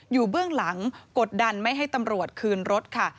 เบื้องหลังกดดันไม่ให้ตำรวจคืนรถค่ะ